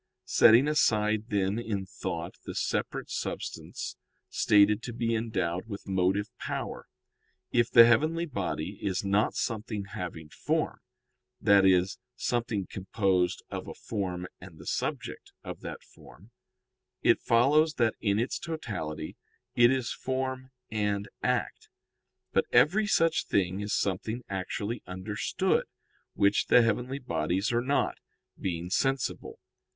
Setting aside, then, in thought, the separate substance stated to be endowed with motive power, if the heavenly body is not something having form that is, something composed of a form and the subject of that form it follows that in its totality it is form and act. But every such thing is something actually understood, which the heavenly bodies are not, being sensible.